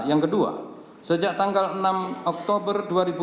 yang kedua sejak tanggal enam oktober dua ribu dua puluh